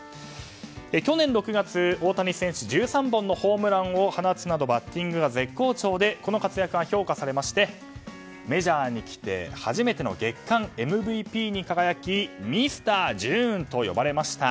去年６月、大谷選手１３本のホームランを放つなどバッティングが絶好調でこの活躍が評価されましてメジャーに来て初めての月間ＭＶＰに輝きミスタージューンと呼ばれました。